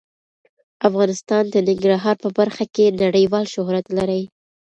افغانستان د ننګرهار په برخه کې نړیوال شهرت لري.